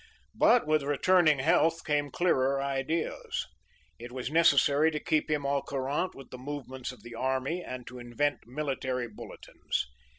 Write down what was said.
But with returning health came clearer ideas. It was necessary to keep him au courant with the movements of the army and to invent military bulletins.